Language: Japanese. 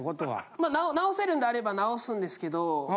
まあ直せるんであれば直すんですけどま